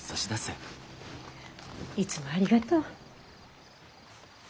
いつもありがとう。